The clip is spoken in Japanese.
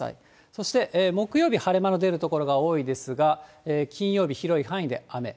そして木曜日、晴れ間の出る所多いですが、金曜日、広い範囲で雨。